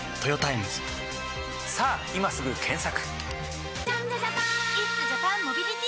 さぁ今すぐ検索！